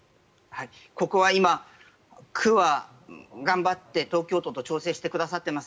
ここは今、区は頑張って東京都と調整してくださっています。